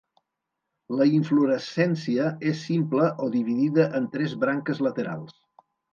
La inflorescència és simple o dividida en tres branques laterals.